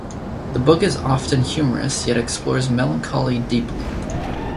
The book is often humorous yet explores melancholy deeply.